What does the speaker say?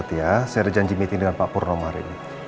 dan selama ini kita salah